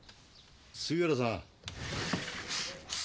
杉浦さん。